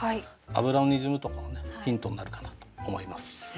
「脂の滲む」とかはねヒントになるかなと思います。